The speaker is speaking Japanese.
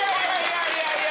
いやいや。